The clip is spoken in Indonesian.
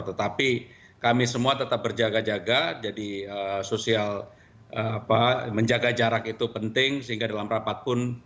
tetapi kami semua tetap berjaga jaga jadi sosial menjaga jarak itu penting sehingga dalam rapat pun